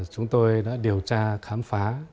chúng tôi đã điều tra khám phá